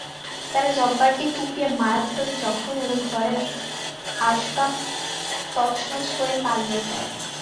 তারা জব্বারকে কুপিয়ে মারাত্মক জখম এবং ঘরের আসবাব তছনছ করে পালিয়ে যায়।